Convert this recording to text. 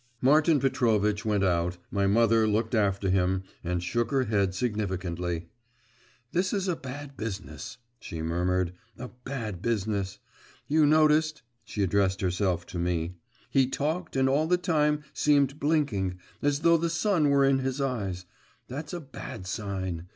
Martin Petrovitch went out; my mother looked after him, and shook her head significantly. 'This is a bad business,' she murmured, 'a bad business. You noticed' she addressed herself to me 'he talked, and all the while seemed blinking, as though the sun were in his eyes; that's a bad sign.